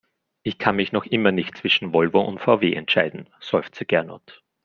Ich kann mich noch immer nicht zwischen Volvo und VW entscheiden, seufzt Gernot.